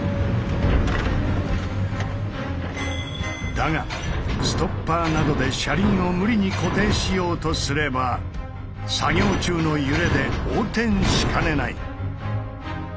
だがストッパーなどで車輪を無理に固定しようとすれば作業中の揺れで横転しかねない。